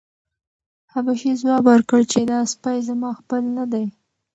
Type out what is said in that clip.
حبشي ځواب ورکړ چې دا سپی زما خپل نه دی.